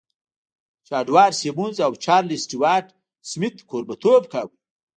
جې اډوارډ سيمونز او چارليس سټيوارټ سميت کوربهتوب کاوه.